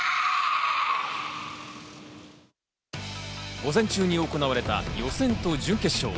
午前中に行われた予選と準決勝。